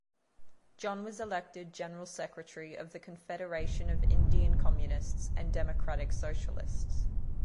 John was elected general secretary of the Confederation of Indian Communists and Democratic Socialists.